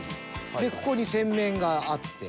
ここに洗面があって。